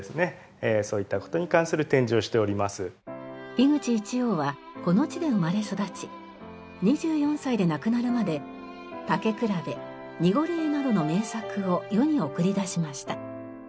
樋口一葉はこの地で生まれ育ち２４歳で亡くなるまで『たけくらべ』『にごりえ』などの名作を世に送り出しました。